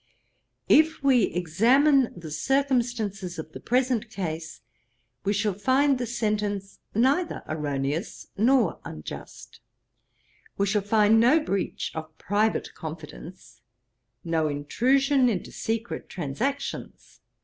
'If we examine the circumstances of the present case, we shall find the sentence neither erroneous nor unjust; we shall find no breach of private confidence, no intrusion into secret transactions.